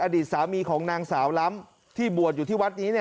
อดีตสามีของนางสาวล้ำที่บวชอยู่ที่วัดนี้